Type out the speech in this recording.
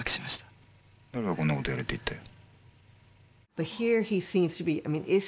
誰がこんなことやれって言ったよ。